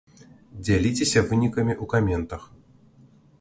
Дзяліцеся вынікамі ў каментах!